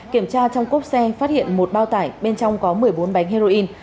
kiểm tra trong cốp xe phát hiện một bao tải bên trong có một mươi bốn bánh heroin